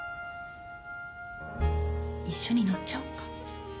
一緒に乗っちゃおっか。